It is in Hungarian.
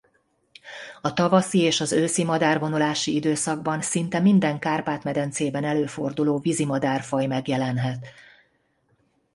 A tavaszi és az őszi madárvonulási időszakban szinte minden Kárpát-medencében előforduló vízimadár-faj megjelenhet.